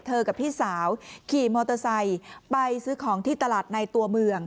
กับพี่สาวขี่มอเตอร์ไซค์ไปซื้อของที่ตลาดในตัวเมือง